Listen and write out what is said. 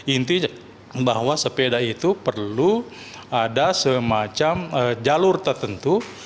inti bahwa sepeda itu perlu ada semacam jalur tertentu